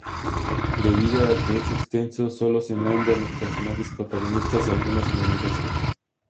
Debido a que es extenso, solo se nombran los personajes protagonistas y algunos enemigos.